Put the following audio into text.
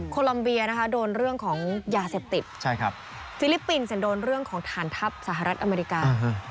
ลอมเบียนะคะโดนเรื่องของยาเสพติดฟิลิปปินส์โดนเรื่องของฐานทัพสหรัฐอเมริกา